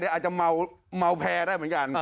อาจจะเมาแพร่ได้เหมือนกัน